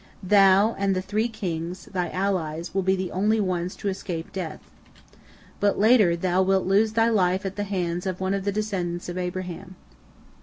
Thou and the three kings, thy allies, will be the only ones to escape death. But later thou wilt lose thy life at the hands of one of the descendants of Abraham.